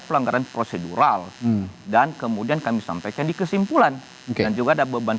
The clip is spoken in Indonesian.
pelanggaran prosedural dan kemudian kami sampaikan di kesimpulan dan juga ada beban